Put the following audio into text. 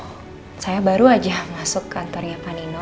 hmm saya baru aja masuk kantornya pak nino